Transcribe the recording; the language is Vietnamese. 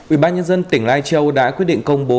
ubnd tỉnh lai châu đã quyết định công bố